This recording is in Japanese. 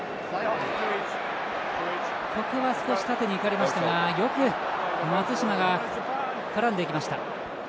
ここは少し縦にいかれましたがよく松島が絡んでいきました。